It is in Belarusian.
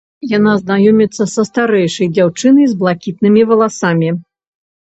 Яна знаёміцца са старэйшай дзяўчынай, з блакітнымі валасамі.